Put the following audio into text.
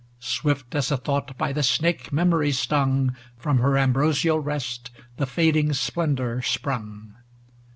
' Swift as a Thought by the snake Mem ory stung, From her ambrosial rest the fading Splen dor sprung.